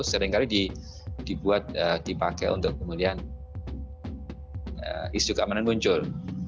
seringkali dibuat dipakai untuk kemudian isu keamanan muncul